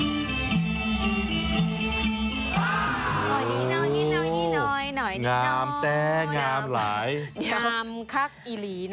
โอ้วนี่น้อนนี่น้อยน้อยนี่น้อย